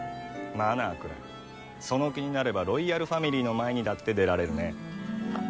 「マナー」くらいその気になればロイヤルファミリーの前にだって出られるね。